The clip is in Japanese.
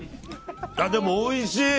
でもおいしい！